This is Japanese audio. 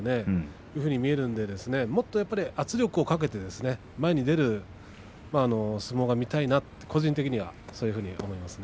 そういうふうに見えるのでもっと圧力をかけて前に出る相撲が見たいなと個人的にはそういうふうに思いますね。